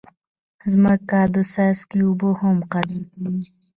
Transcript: مځکه د څاڅکي اوبه هم قدر کوي.